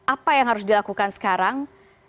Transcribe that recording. apa yang harus dilakukan sekarang